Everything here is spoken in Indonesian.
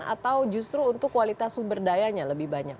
atau justru untuk kualitas sumber dayanya lebih banyak